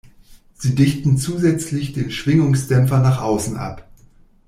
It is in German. Sie dichten zusätzlich den Schwingungsdämpfer nach außen ab.